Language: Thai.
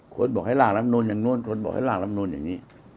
คนบอกให้ร่างรับนวลอย่างโน้นคนบอกให้ร่างรับนวลอย่างนี้